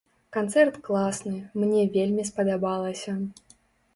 Канцэрт класны, мне вельмі спадабалася!